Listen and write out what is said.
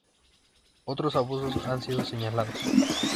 Otros abusos han sido señalados.